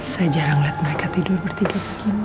saya jarang liat mereka tidur bertiga begini